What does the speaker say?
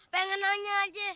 pengen nanya aja